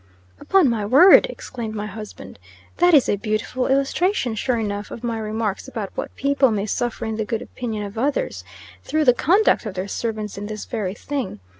'" "Upon my word!" exclaimed my husband. "That is a beautiful illustration, sure enough, of my remarks about what people may suffer in the good opinion of others, through the conduct of their servants in this very thing.